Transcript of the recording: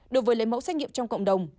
đối với lấy mẫu xét nghiệm trong cộng đồng